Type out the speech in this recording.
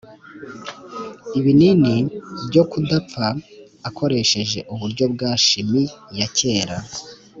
‘ibinini byo kudapfa’ akoresheje uburyo bwa shimi ya kera.